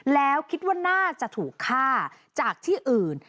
แล้วคิดว่าน่าจะถูกฆ่าจากที่อื่น